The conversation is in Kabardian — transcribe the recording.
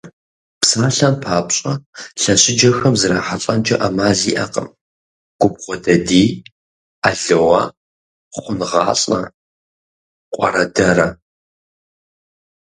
Псалъэм папщӏэ, лъэщыджэхэм зрахьэлӏэнкӏэ ӏэмал иӏэкъым губгъуэдадий, алоэ, хъунгъалӏэ, къуэрэдэрэ.